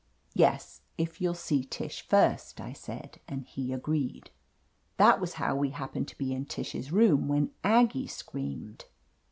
"Yes, if you'll see Tish first," I said, and he agreed. That was how we happened to be in Tish's room when Aggie screamed.